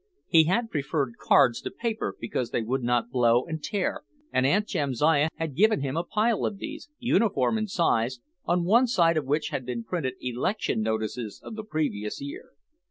He had preferred cards to paper because they would not blow and tear and Aunt Jamsiah had given him a pile of these, uniform in size, on one side of which had been printed election notices of the previous year.